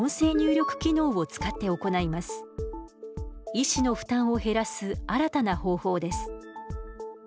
医師の負担を減らす新たな方法です。